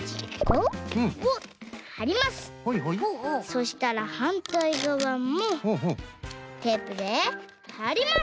そしたらはんたいがわもテープではります。